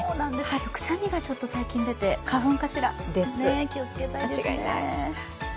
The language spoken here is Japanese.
あと、くしゃみが最近出て、花粉かしら。